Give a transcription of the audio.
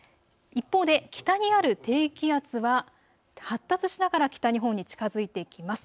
一方で北にある低気圧は発達しながら北日本に近づいていきます。